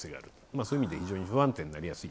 そういう意味で非常に不安になりやすい。